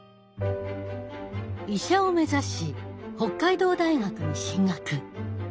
医者を目指し北海道大学に進学。